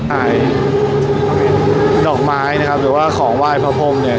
ดอกไม้นะครับหรือว่าของไหว้พระพรมเนี่ย